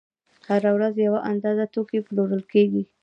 هره ورځ یوه اندازه توکي پلورل کېږي